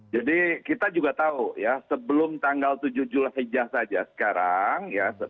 jadi kita juga tahu ya sebelum tanggal tujuh zul hijah saja sekarang